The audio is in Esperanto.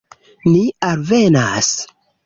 Ni alvenas.